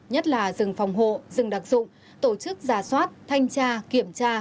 nhất là rừng phòng hộ rừng đặc dụng tổ chức giả soát thanh tra kiểm tra